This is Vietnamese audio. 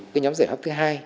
cái nhóm giải pháp thứ hai